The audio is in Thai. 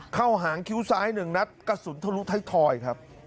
เข้าหางคิ้วซ้ายหนึ่งนัดกระสุนทะลุท้ายครับ